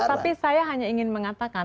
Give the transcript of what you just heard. tapi saya hanya ingin mengatakan